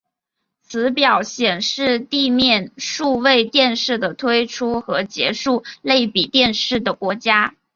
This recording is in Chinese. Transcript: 此表显示地面数位电视的推出和结束类比电视的国家。